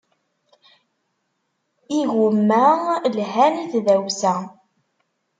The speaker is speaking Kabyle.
Igumma lhan i tdawsa.